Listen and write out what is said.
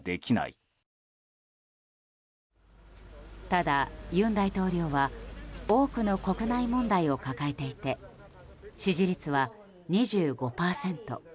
ただ尹大統領は多くの国内問題を抱えていて支持率は２５％。